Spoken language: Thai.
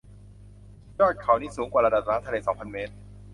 ยอดเขานี้สูงกว่าระดับน้ำทะเลสองพันเมตร